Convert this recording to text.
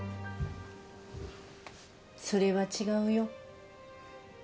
それは違うよ。